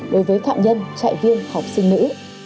đối với phạm nhân chạy viên học sinh nữ